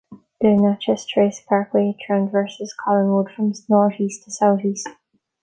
The Natchez Trace Parkway traverses Collinwood from northeast to southwest.